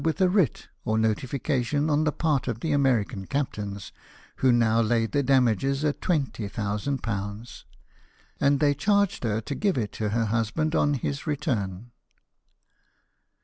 with a writ, or notification on the part of the American captains, who now laid their damages at £20,000, and they charged her to give it to her husband on his return.